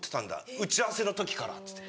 打ち合わせの時から」っつって。